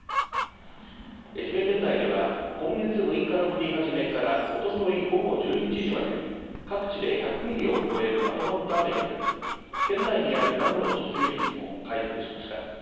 愛媛県内では今月６日の降り始めからおととい午後１１時までに各地で１００ミリを超えるまとまった雨が降り県内にあるダムの貯水率も回復しました。